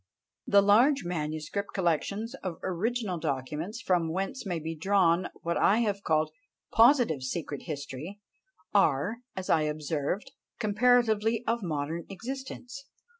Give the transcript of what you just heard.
The large manuscript collections of original documents, from whence may be drawn what I have called positive secret history, are, as I observed, comparatively of modern existence.